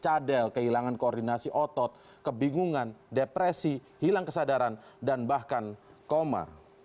cadel kehilangan koordinasi otot kebingungan depresi hilang kesadaran dan bahkan koma